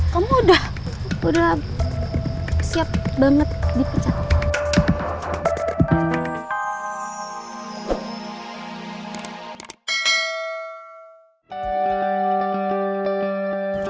kamu udah siap banget di pijak